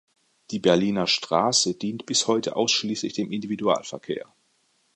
Die Berliner Straße dient bis heute ausschließlich dem Individualverkehr.